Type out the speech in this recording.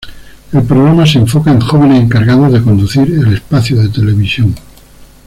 El programa se enfoca en jóvenes encargado de conducir el espacio de televisión.